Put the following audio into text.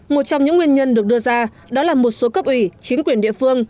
một trong những nguyên nhân được đưa ra đó là một số cấp ủy chính quyền địa phương